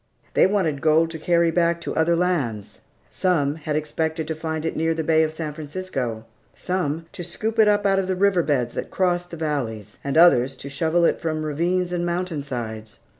They wanted gold to carry back to other lands. Some had expected to find it near the Bay of San Francisco; some, to scoop it up out of the river beds that crossed the valleys; and others, to shovel it from ravines and mountain sides.